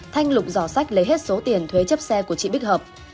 thanh lục giỏ sách lấy hết số tiền thuế chấp xe của chị bích hợp